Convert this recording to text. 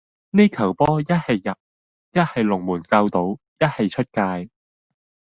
呢球波一係入,一係龍門救到,一係出界.